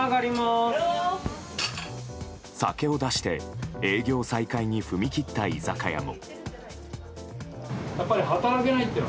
酒を出して、営業再開に踏み切った居酒屋も。